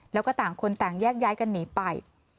แล้วก็ต่างคนต่างแยกย้ายกันหนีไป